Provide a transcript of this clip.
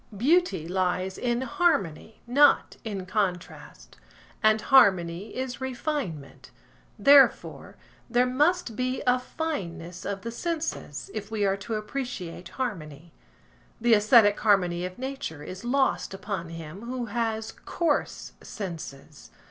Beauty lies in harmony, not in contrast; and harmony is refinement; therefore, there must be a fineness of the senses if we are to appreciate harmony. The æsthetic harmony of nature is lost upon him who has coarse senses.